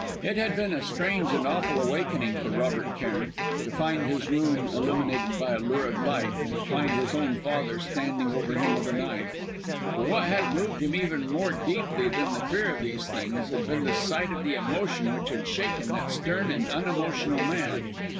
It had been a strange and awful awakening for Robert Cairn to find his room illuminated by a lurid light, and to find his own father standing over him with a knife! But what had moved him even more deeply than the fear of these things, had been the sight of the emotion which had shaken that stern and unemotional man.